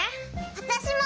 わたしも！